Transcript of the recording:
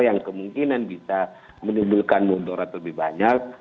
yang kemungkinan bisa menimbulkan munduran lebih banyak